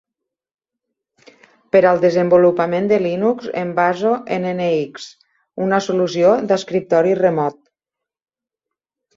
Per al desenvolupament de Linux, em baso en NX, una solució d'escriptori remot.